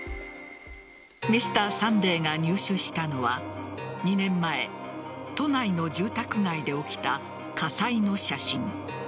「Ｍｒ．サンデー」が入手したのは２年前都内の住宅街で起きた火災の写真。